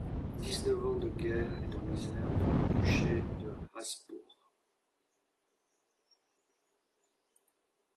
Dix neuf ans de guerre et de misère pour le duché de Halsbourg.